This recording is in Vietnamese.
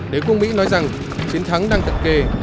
đế quốc mỹ nói rằng chiến thắng đang cận kề